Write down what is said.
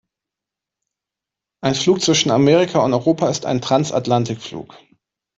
Ein Flug zwischen Amerika und Europa ist ein Transatlantikflug.